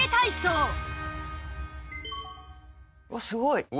すごい！